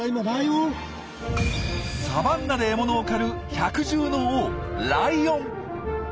サバンナで獲物を狩る百獣の王ライオン。